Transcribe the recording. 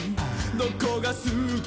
どこがすき？」